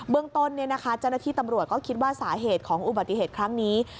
เรื่องต้นเจ้าหน้าที่ตำรวจก็คิดว่าสาเหตุของอุบัติเหตุครั้งนี้